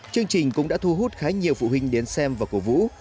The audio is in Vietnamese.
chương trình cũng đã thu hút khá nhiều phụ huynh đến xem và cổ vũ